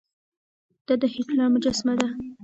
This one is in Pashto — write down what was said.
دا د هېټلر مجسمه ده.